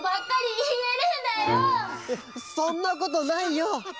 そんなことないよ！